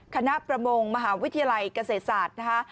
ประมงมหาวิทยาลัยเกษตรศาสตร์นะคะ